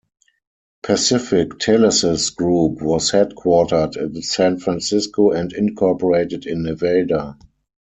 Pacific Telesis Group was headquartered in San Francisco and incorporated in Nevada.